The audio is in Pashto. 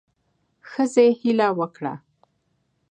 ښځې هیله وکړه